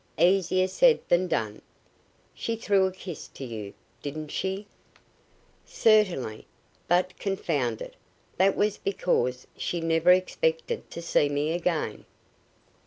"Easier said than done." "She threw a kiss to you, didn't she?" "Certainly, but, confound it, that was because she never expected to see me again."